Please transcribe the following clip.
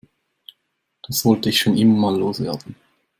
Das wollte ich schon immer mal loswerden.